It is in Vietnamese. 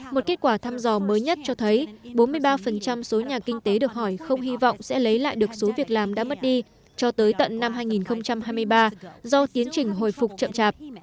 một kết quả thăm dò mới nhất cho thấy bốn mươi ba số nhà kinh tế được hỏi không hy vọng sẽ lấy lại được số việc làm đã mất đi cho tới tận năm hai nghìn hai mươi ba do tiến trình hồi phục chậm chạp